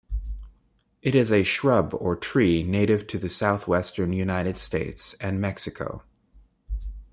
It is a shrub or tree native to the southwestern United States and Mexico.